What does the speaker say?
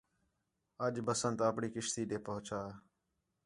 اَڄ بسنت اپݨی کشتی ݙے پہنچا